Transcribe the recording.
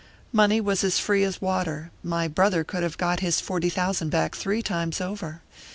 Money was as free as water my brother could have got his forty thousand back three times over.